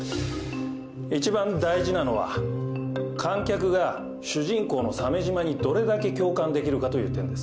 一番大事なのは観客が主人公の鮫島にどれだけ共感できるかという点です。